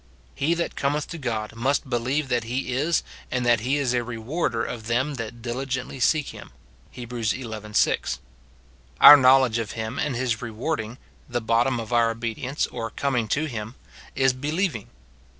" He that cometh to God must believe that he is, and that he is a reward er of them that dili gently seek him," Ileb. xi. 6. Our knowledge of him and his rewarding (the bottom of our obedience or com ing to him), is believing.